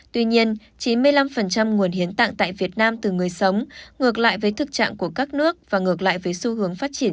tuy nhiên chín mươi năm nguồn hiến tặng tại việt nam từ người sống ngược lại với thực trạng của các nước và ngược lại với xu hướng phát triển